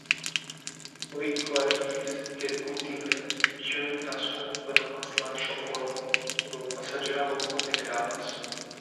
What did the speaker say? Li klarigis, ke kutime ĉiujn taskojn plenumas la ŝoforo, do pasaĝera loko ne gravas.